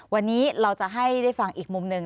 วันนี้เราจะให้ได้ฟังอีกมุมหนึ่ง